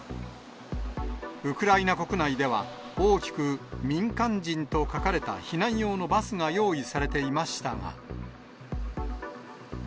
ウクライナ国内では、大きく民間人と書かれた避難用のバスが用意されていましたが。